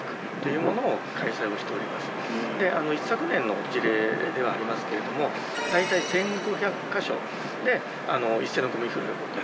一昨年の事例ではありますけれどもだいたい１，５００か所で一斉のごみ拾い。